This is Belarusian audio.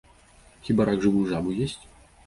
Хіба рак жывую жабу есць?